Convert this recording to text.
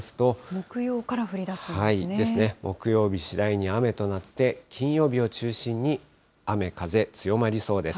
木曜日、次第に雨となって、金曜日を中心に雨、風強まりそうです。